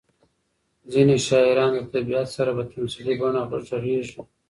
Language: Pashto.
ځینې شاعران له طبیعت سره په تمثیلي بڼه غږېږي.